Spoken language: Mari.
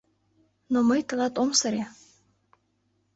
Но мый тылат ом сыре.